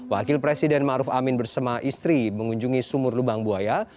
wakil presiden ma'ruf amin bersama istri mengunjungi sumur lubang buaya